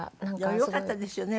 よかったですよね